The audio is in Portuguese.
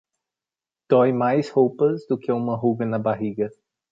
Dói mais roupas do que uma ruga na barriga.